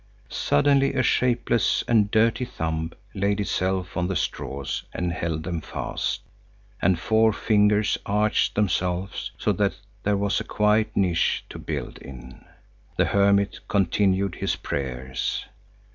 Suddenly a shapeless and dirty thumb laid itself on the straws and held them fast, and four fingers arched themselves so that there was a quiet niche to build in. The hermit continued his prayers.